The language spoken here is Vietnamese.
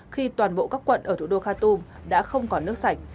khi toàn bộ các quận ở thủ đô khartoum đã không có nước sạch